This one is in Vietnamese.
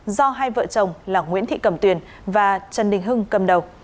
do hai vợ chồng là nguyễn thị cẩm tuyền và trần đình hưng cầm đầu